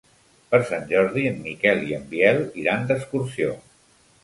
Per Sant Jordi en Miquel i en Biel iran d'excursió.